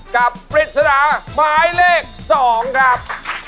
กับปริศนาหมายเลขสองครับ